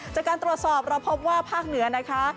จากการตรวจสอบเราพบว่าภาคเหนือนะคะ